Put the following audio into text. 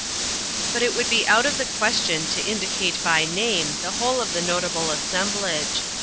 But it would be out of the question to indicate by name the whole of the notable assemblage.